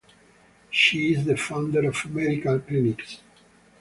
She is the founder of medical clinics.